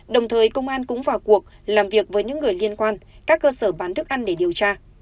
đồng thời công an cũng vào cuộc làm việc với những người liên quan các cơ sở bán thức ăn để điều tra